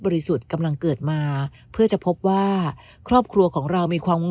สุธิ์กำลังเกิดมาเพื่อจะพบว่าครอบครัวของเรามีความ